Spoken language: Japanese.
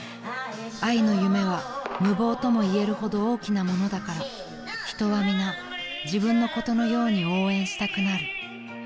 ［あいの夢は無謀ともいえるほど大きなものだから人は皆自分のことのように応援したくなる］